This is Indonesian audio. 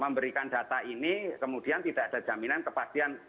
memberikan data ini kemudian tidak ada jaminan kepastian